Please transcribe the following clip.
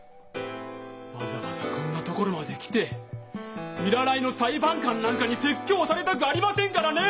わざわざこんな所まで来て見習いの裁判官なんかに説教されたくありませんからね！